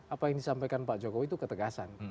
apa yang disampaikan pak jokowi itu ketegasan